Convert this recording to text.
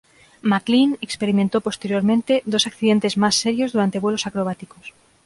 Maclean experimentó posteriormente dos accidentes más serios durante vuelos acrobáticos.